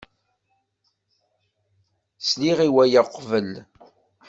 Sliɣ i waya uqbel.